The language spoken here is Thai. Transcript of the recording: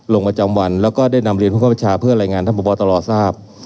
ลงประจำวันแล้วก็ได้นำเรียนผู้เข้าประชาเพื่อรายงานท่านพบตรทราบ